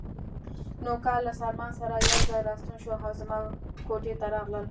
نوکر له سلمان سره یو ځای راستون شو او زما کوټې ته راغلل.